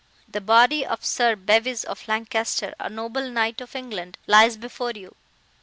"The body of Sir Bevys of Lancaster, a noble knight of England, lies before you.